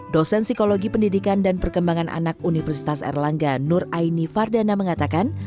dosen psikologi pendidikan dan perkembangan anak universitas erlangga nur aini fardana mengatakan